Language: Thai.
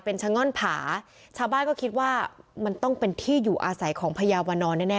เป็นชะง่อนผาชาวบ้านก็คิดว่ามันต้องเป็นที่อยู่อาศัยของพญาวนอนแน่แน่